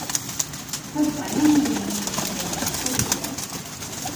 Pertany al moviment independentista el Robert?